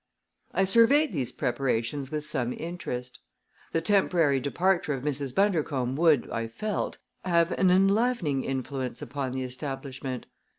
I surveyed these preparations with some interest. The temporary departure of Mrs. Bundercombe would, I felt, have an enlivening influence upon the establishment.